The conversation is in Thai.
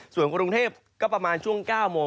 ส่วนกรุงเทพก็ประมาณช่วง๙โมง